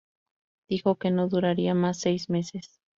Dijo que no duraría más seis meses".